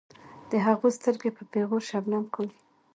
د هغو سترګې په پیغور شبنم کاږي.